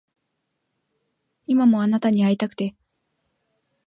今もあなたに逢いたくて